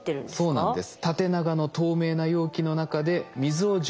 そうなんです。